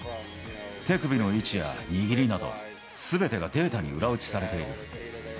手首の位置や握りなど、すべてがデータに裏打ちされている。